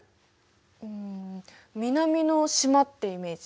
うん南の島ってイメージ。